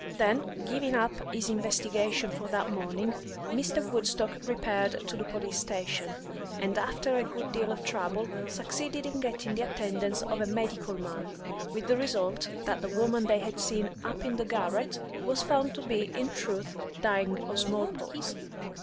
Then, giving up his investigations for that morning, Mr. Woodstock repaired to the police station, and after a good deal of trouble, succeeded in getting the attendance of a medical man, with the result that the woman they had seen up in the garret was found to be in truth dying of small pox.